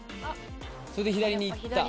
それで左に行った。